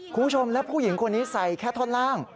คุณผู้หญิงควรนี้ใส่แค่ทอดล่าง